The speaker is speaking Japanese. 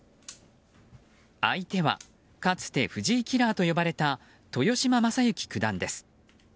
相手はかつて藤井キラーと呼ばれた豊島将之九段です。